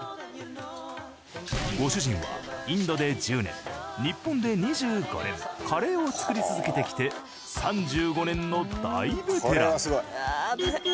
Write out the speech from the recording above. ご主人はインドで１０年日本で２５年カレーを作り続けてきて３５年の大ベテラン。